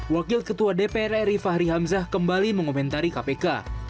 wakil ketua dpr ri fahri hamzah kembali mengomentari kpk